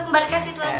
balik aja sih tuan